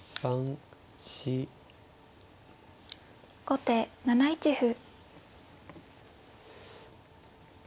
後手７一歩。